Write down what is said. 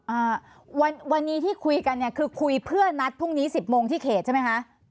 อ่าวันวันนี้ที่คุยกันเนี่ยคือคุยเพื่อนัดพรุ่งนี้สิบโมงที่เขตใช่ไหมคะ